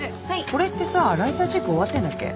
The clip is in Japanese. これってさライターチェック終わってんだっけ？